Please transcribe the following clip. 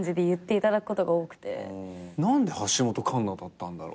何で橋本環奈だったんだろう。